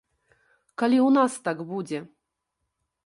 Калі ў нас так будзе?